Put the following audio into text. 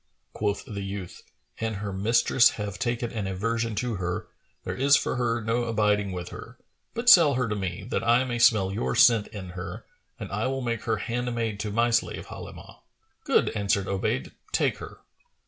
Quoth the youth, "An her mistress have taken an aversion to her, there is for her no abiding with her; but sell her to me, that I may smell your scent in her, and I will make her handmaid to my slave Halimah." "Good," answered Obayd: "take her."